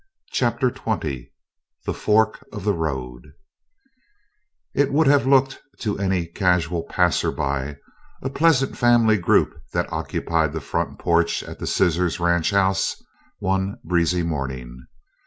CHAPTER XX THE FORK OF THE ROAD It would have looked, to any casual passerby, a pleasant family group that occupied the front porch at the Scissor Ranch house one breezy morning.